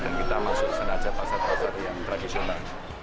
masuk senaja pasar pasar yang tradisional